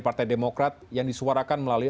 partai demokrat yang disuarakan melalui